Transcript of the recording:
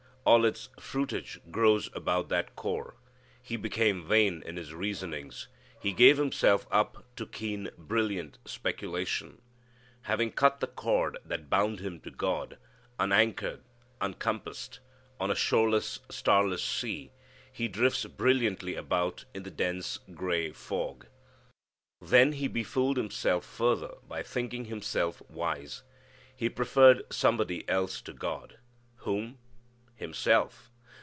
All its fruitage grows about that core. He became vain in his reasonings. He gave himself up to keen, brilliant speculation. Having cut the cord that bound him to God, unanchored, uncompassed, on a shoreless, starless sea, he drifts brilliantly about in the dense gray fog. Then he befooled himself further by thinking himself wise. He preferred somebody else to God. Whom? Himself!